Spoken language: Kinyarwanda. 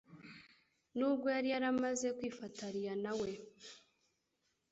nubwo yari yaramaze kwifatariya nawe.